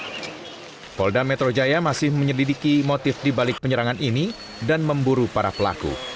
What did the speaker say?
kapolda metro jaya masih menyelidiki motif dibalik penyerangan ini dan memburu para pelaku